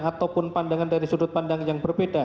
ataupun pandangan dari sudut pandang yang berbeda